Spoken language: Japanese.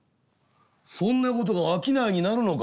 「そんな事が商いになるのか？